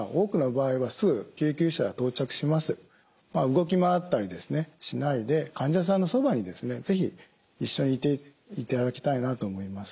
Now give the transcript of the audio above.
動き回ったりしないで患者さんのそばに是非一緒にいていただきたいなと思います。